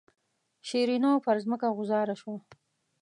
شیرینو پر ځمکه غوځاره شوه.